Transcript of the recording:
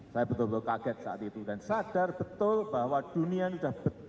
saya betul betul kaget saat itu dan sadar betul bahwa dunia ini sudah betul